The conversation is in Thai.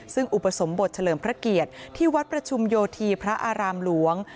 ซึ่งอุปสมบทเฉลิมพระเกียรติที่วัดประชุมโยธีพระอารามหลวง